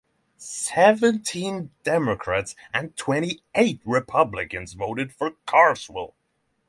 Seventeen Democrats and twenty-eight Republicans voted for Carswell.